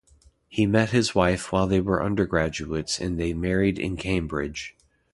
He met his wife while they were undergraduates and they married in Cambridge.